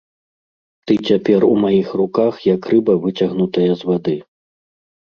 Ты цяпер у маіх руках, як рыба выцягнутая з вады.